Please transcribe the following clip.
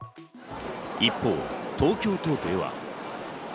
一方、東京都では。